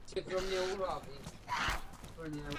Můžete tušit, kam tím směřuji.